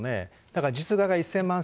だから実害が１０００万円